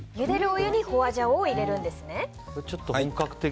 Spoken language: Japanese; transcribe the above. お湯にホアジャオを入れるんですね。